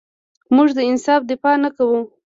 موږ د انصاف دفاع نه کوو.